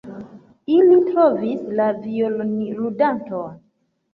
Ili trovis la violonludanton.